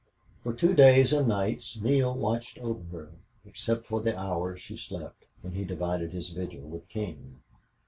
For two days and nights Neale watched over her, except for the hours she slept, when he divided his vigil with King.